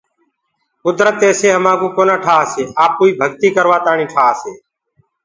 ڪدرت ايسي همآنٚ ڪوُ ڪونآ ٺآسيِ آپوئيٚ پيرويٚ ڪروآ تآڻيٚ ٺآسي